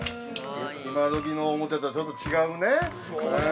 今どきのおもちゃとはちょっと違うね。